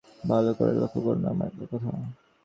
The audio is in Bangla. ভালো করে লক্ষ করুন আমার কথা।